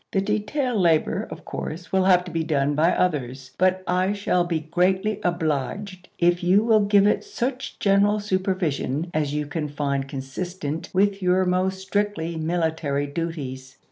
The detail labor, of course, will have to be done by others, but I shall be greatly obliged if you will give it such general supervision as you can find ommore? consistent with your more strictly military duties." i864^* ms.